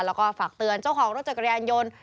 แล้วก็ฝากเตือนเจ้าของรถจักรยานยนต์